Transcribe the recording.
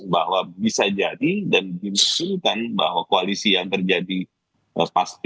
bahwa bisa jadi dan diperlukan bahwa koalisi yang terjadi pas pilpres itu ya bisa dihapus